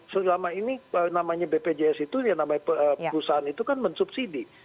selama ini bpjs itu perusahaan itu kan mensubsidi